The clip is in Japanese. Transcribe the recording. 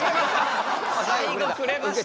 最後くれました。